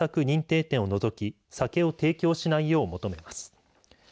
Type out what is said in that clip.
認定店を除き酒を提供しないよう求めます。